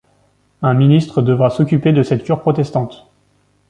Un ministre devra s'occuper de cette cure protestante.